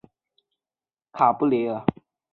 瓦尔卡布雷尔。